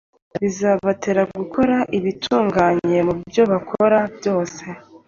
bizabatera gukora ibitunganye mu byo bakora byose.